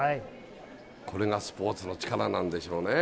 これがスポーツの力なんでしょうね。